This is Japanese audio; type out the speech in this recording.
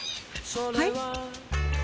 はい？